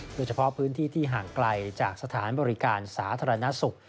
โดยเฉพาะพื้นที่ที่ห่างไกลจากสถานบริการสาธารณสุข